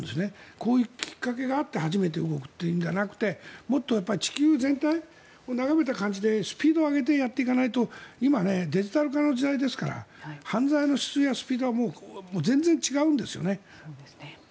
こういうきっかけがあって初めて動くというのではなくて地球全体を眺めた感じでスピードを上げてやっていかないと今、デジタル化の時代ですから犯罪の質やスピードは全然違うんですよね。